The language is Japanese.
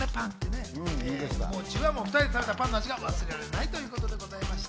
２人で食べたパンの味が忘れられないそうです。